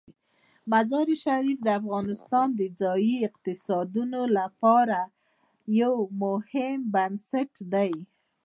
مزارشریف د افغانستان د ځایي اقتصادونو لپاره یو مهم بنسټ دی.